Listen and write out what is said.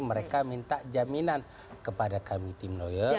mereka minta jaminan kepada kami tim lawyer